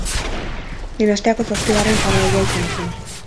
Dinastiako zazpigarren faraoia izan zen.